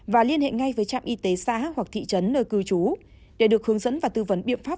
và liên hệ ngay với trạm y tế xã hoặc thị trấn nơi cư trú để được hướng dẫn và tư vấn biện pháp